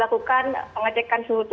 mata klub lagi kemudian jangan lupa tetap